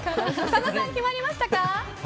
佐野さん、決まりましたか？